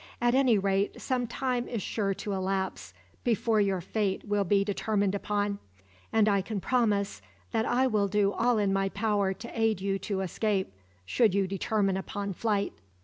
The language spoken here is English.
At any rate, some time is sure to elapse before your fate will be determined upon; and I can promise that I will do all in my power to aid you to escape, should you determine upon flight."